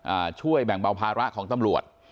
ช่วยแบ่งเบาภาระของตำรวจ